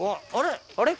あれ？